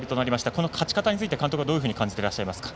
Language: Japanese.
この勝ち方について監督はどう感じていらっしゃいますか？